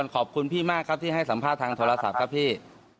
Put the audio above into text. ขอบคุณครับครับพี่